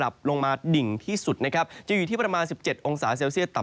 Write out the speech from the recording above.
สูงสุดประมาณ๑๘โองสาเซลเซลเซียต